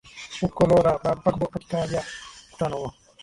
uku lora bagbo akikaja mkutano huo